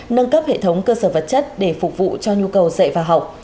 nâng cấp hệ thống cơ sở vật chất để phục vụ cho nhu cầu dạy và học